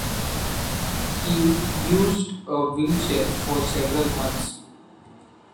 He used a wheelchair for several months.